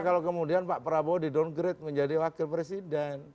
kalau kemudian pak prabowo didowngrade menjadi wakil presiden